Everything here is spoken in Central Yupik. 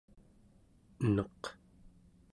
eneq